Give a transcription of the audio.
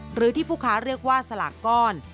หรือที่ผู้ค้าเรียกว่าสลากก้อน